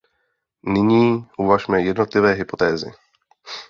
Nyní uvažme jednotlivé hypotézy.